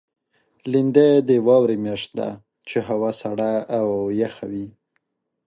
لېندۍ د واورې میاشت ده، چې هوا سړه او یخه وي.